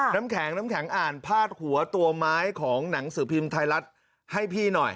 น้ำแข็งน้ำแข็งอ่านพาดหัวตัวไม้ของหนังสือพิมพ์ไทยรัฐให้พี่หน่อย